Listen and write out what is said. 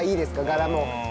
柄も。